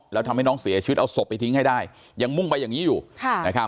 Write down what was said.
แล้วทำให้น้องเสียชีวิตเอาศพไปทิ้งให้ได้ยังมุ่งไปอย่างนี้อยู่นะครับ